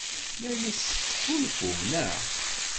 La as-tettḥulfum, naɣ?